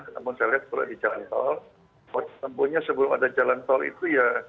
namun saya lihat kalau di jalan tol waktu tempuhnya sebelum ada jalan tol itu ya